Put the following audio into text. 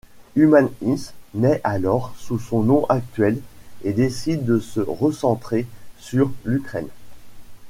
Human'East naît alors sous son nom actuel et décide de se recentrer sur l'Ukraine.